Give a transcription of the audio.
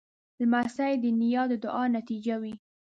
لمسی د نیا د دعا نتیجه وي.